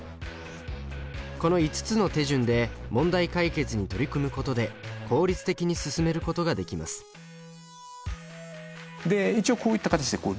この５つの手順で問題解決に取り組むことで効率的に進めることができます。